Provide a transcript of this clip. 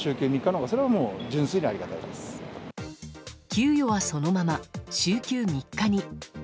給与はそのまま週休３日に。